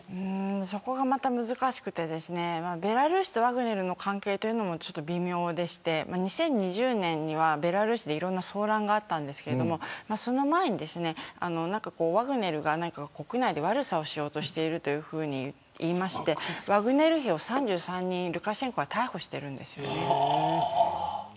そこが難しくてベラルーシとワグネルの関係も微妙でして２０２０年には、ベラルーシでいろんな騒乱があったんですけどその前に、ワグネルが国内で悪さをしようとしているというふうに言われましてワグネル兵を３３人ルカシェンコは逮捕しているんです。